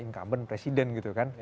income presiden gitu kan